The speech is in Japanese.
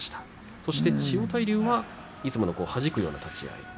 そして千代大龍はいつものはじくような立ち合い。